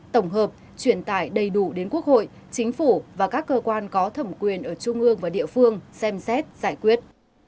tổng hợp truyền tải đầy đủ đến quốc hội chính phủ và các cơ quan có thẩm quyền ở trung ương và địa phương xem xét giải quyết